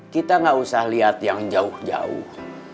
kita nggak usah lihat yang jauh jauh